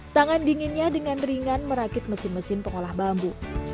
tangan dinginnya dengan ringan merakit mesin mesin pengolah bambu